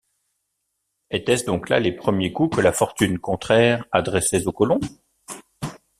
Étaient-ce donc là les premiers coups que la fortune contraire adressait aux colons?